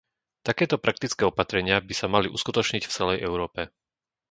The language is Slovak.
Takéto praktické opatrenia by sa mali uskutočniť v celej Európe.